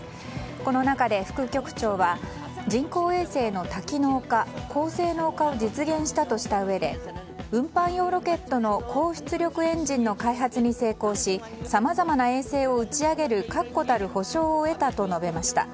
この中で副局長は人工衛星の多機能化高性能化を実現したとしたうえで運搬用ロケットの高出力エンジンの開発に成功しさまざまな衛星を打ち上げる確固たる保証を得たと述べました。